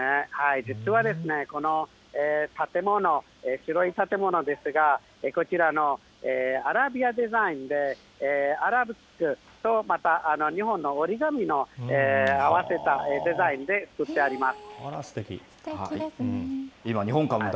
実はですね、この建物、白い建物ですが、こちらのアラビアデザインで、アラベスクと、また日本の折り紙を合わせたデザインで造ってあります。